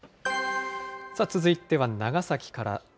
さあ、続いては長崎から。